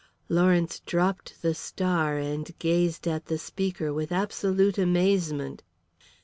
Lawrence dropped "The Star" and gazed at the speaker with absolute amazement.